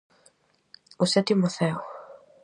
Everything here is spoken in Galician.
O sétimo ceo.